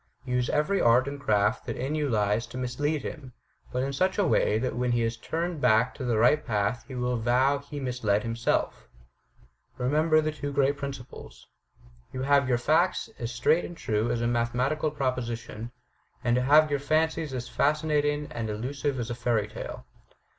Use every art and craft that in you lies to mislead him, but in such a way that when he is turned back to the right path he will vow he misled himself. Remember the two great principles: to have your facts as straight and true as a mathematical proposition; and to have your fancies as fascinating and elusive as a fairy tale.